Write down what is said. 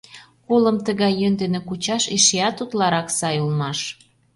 Колым тыгай йӧн дене кучаш эшеат утларак сай улмаш.